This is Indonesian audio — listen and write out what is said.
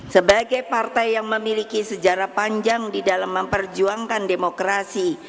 sebagai partai yang memiliki sejarah panjang di dalam memperjuangkan demokrasi